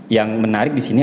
yang menarik disini